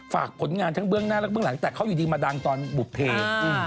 ฝากผลงานทั้งเบื้องหน้าและเบื้องหลังแต่เขาอยู่ดีมาดังตอนบุภเพ